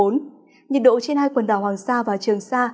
nhiệt độ trên hai quần đảo hoàng sa và trường sa